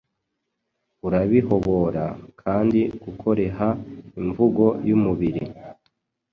Urabihobora kandi gukoreha imvugo yumubiri